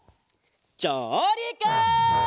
じょうりく！